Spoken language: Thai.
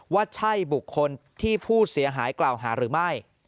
ว่าใช่บุคคลที่ผู้เสียหายกล่าวหาหรือไม่